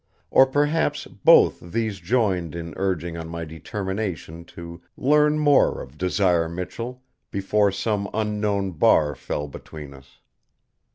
Or perhaps both these joined in urging on my determination to learn more of Desire Michell before some unknown bar fell between us.